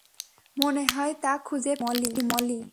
মনে হয় তা খুঁজে পেয়েছি, মলি।